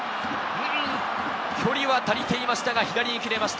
距離は足りていましたが左に切れました。